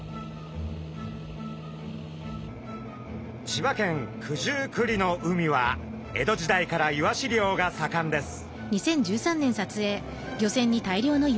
千葉県九十九里の海は江戸時代からイワシ漁がさかんです。